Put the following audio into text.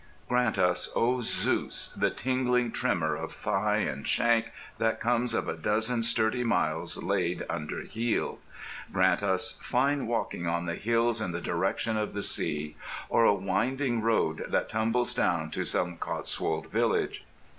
Grant us, O Zeus! the tingling tremour of thigh and shank that comes of a dozen sturdy miles laid underheel. Grant us "fine walking on the hills in the direction of the sea"; or a winding road that tumbles down to some Cotswold village.